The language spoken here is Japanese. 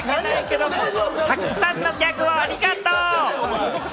たくさんのギャグをありがとう。